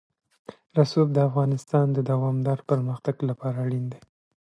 رسوب د افغانستان د دوامداره پرمختګ لپاره اړین دي.